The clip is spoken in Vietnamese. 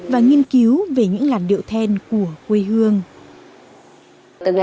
và nghiên cứu về những làn đường